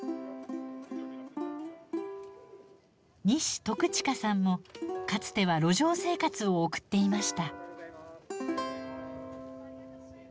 西篤近さんもかつては路上生活を送っていました。